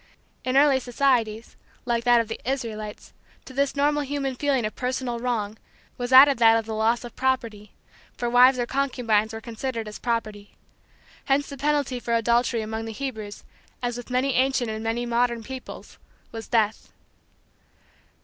In early societies, like that of the Israelites, to this normal human feeling of personal wrong was added that of the loss of property, for wives or concubines were considered as property. Hence the penalty for adultery among the Hebrews, as with many ancient and many modern peoples, was death.